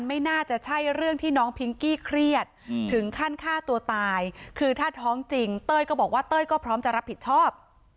ไม่น่าจะใช่เรื่องที่น้องพิงกี้เครียดถึงขั้นฆ่าตัวตายคือถ้าท้องจริงเต้ยก็บอกว่าเต้ยก็พร้อมจะรับผิดชอบ